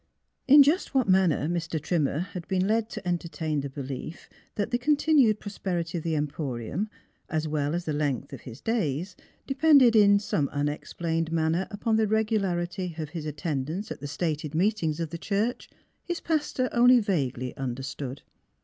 In just what manner Mr. Trimmer had been led to entertain the belief that the continued prosperity of the Emporium as well as the length of his days depended in some unexplained manner upon the regularity of his attendance at the stated meetings of the church, his pastor only vaguely understood.